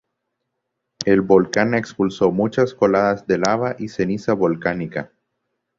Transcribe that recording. El volcán expulsó muchas coladas de lava y ceniza volcánica.